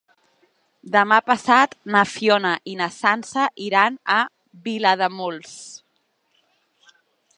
Demà passat na Fiona i na Sança iran a Vilademuls.